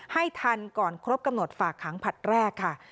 ให้ทันก่อนครบกำหนดฝากขังผลัดแรกค่ะ